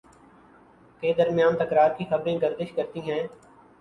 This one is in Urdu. کے درمیان تکرار کی خبریں گردش کرتی ہیں